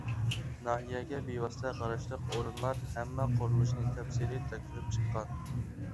ناھىيەگە بىۋاسىتە قاراشلىق ئورۇنلار ھەممە قۇرۇلۇشنى تەپسىلىي تەكشۈرۈپ چىققان.